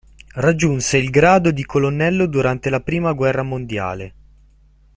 Raggiunse il grado di colonnello durante la prima guerra mondiale.